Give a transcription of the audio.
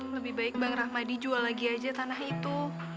lebih baik bang rahmadi jual lagi aja tanah itu